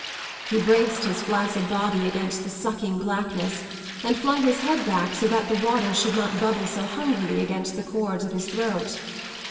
He braced his flaccid body against the sucking blackness and flung his head back so that the water should not bubble so hungrily against the cords of his throat.